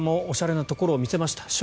ただ、栗山さんもおしゃれなところを見せました。